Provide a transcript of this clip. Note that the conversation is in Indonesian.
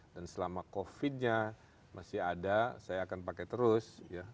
dan selama covid nya masih ada saya akan pakai terus